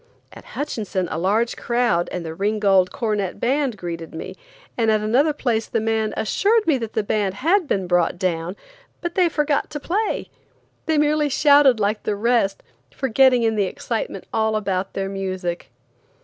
At Hutchinson a large crowd and the Ringgold Cornet Band greeted me, and at another place the mayor assured me that the band had been brought down, but they forgot to play. They merely shouted like the rest, forgetting in the excitement all about their music.